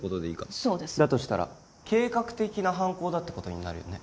そうですだとしたら計画的な犯行だってことになるよね